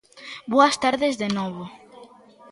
Boas tardes de novo.